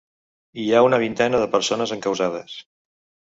Hi ha una vintena de persones encausades.